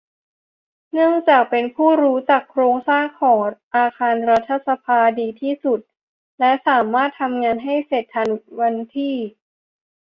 เนื่องจากเป็นผู้รู้จักโครงสร้างของอาคารรัฐสภาดีที่สุด และ สามารถทำงานให้เสร็จทันวันที่